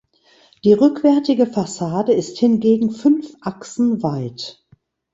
Die rückwärtige Fassade ist hingegen fünf Achsen weit.